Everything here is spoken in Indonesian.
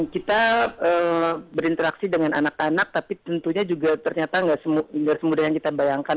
kita berinteraksi dengan anak anak tapi tentunya juga ternyata nggak semudah yang kita bayangkan